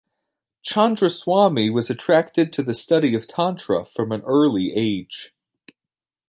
Chandraswami was attracted to the study of Tantra from an early age.